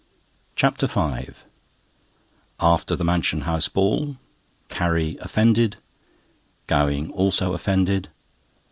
CHAPTER V After the Mansion House Ball. Carrie offended. Gowing also offended.